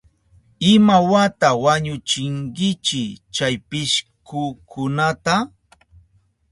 ¿Imawata wañuchinkichi chay pishkukunata?